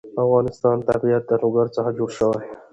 د افغانستان طبیعت له لوگر څخه جوړ شوی دی.